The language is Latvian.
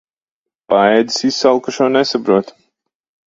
Paēdis izsalkušo nesaprot.